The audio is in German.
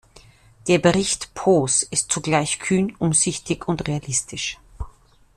Der Bericht Poos ist zugleich kühn, umsichtig und realistisch.